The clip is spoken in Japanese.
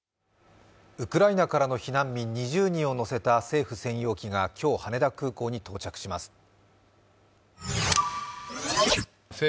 ウクライナからの避難民２０人を乗せた政府専用機が今日、羽田空港に到着します。